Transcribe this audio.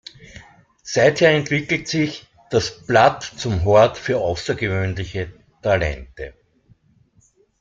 Seither entwickelte sich das Blatt zum Hort für außergewöhnliche Talente.